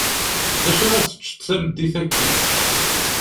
Dacu ara teččeḍ tameddit-aki?